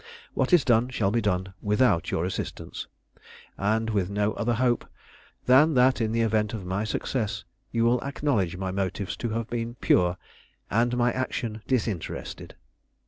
What is done shall be done without your assistance, and with no other hope than that in the event of my success you will acknowledge my motives to have been pure and my action disinterested."